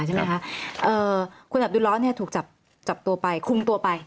ใช่ไหมค่ะคุณดับดุล้อนถูกจับตัวไปคุมตัวไป